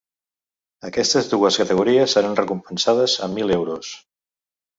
Aquestes dues categories seran recompensades amb mil euros.